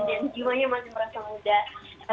jiwanya masih merasa muda